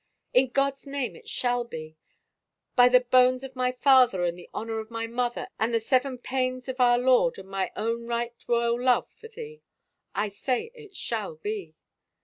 " In God's name it shall be !— By the bones of my father and the honor of my mother and the Seven Pains of our Lord and my own right royal love for thee! I say it shall be